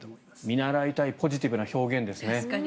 見習いたいポジティブな表現ですね。